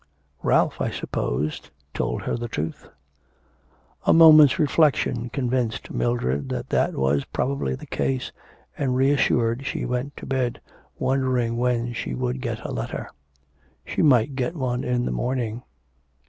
'Ralph, I suppose, told her the truth.' A moment's reflection convinced Mildred that that was probably the case, and reassured, she went to bed wondering when she would get a letter. She might get one in the morning.